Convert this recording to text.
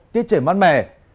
tiết trời mát mẻ